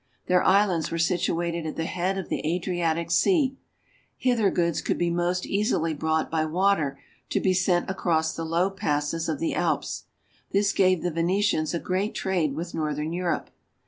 Their islands were situated at the head of the Adriatic Sea; hither goods could be most easily brought by water to be sent across the low passes of the Alps ; this gave the Venetians a great trade with northern Europe.